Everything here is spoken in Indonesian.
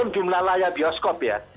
karena jumlah layar bioskop ya